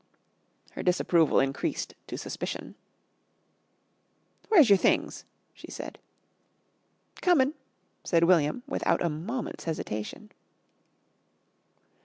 Her disapproval increased to suspicion. "Where's your things?" she said. "Comin'," said William without a moment's hesitation.